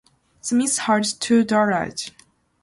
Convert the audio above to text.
Smith has two daughters.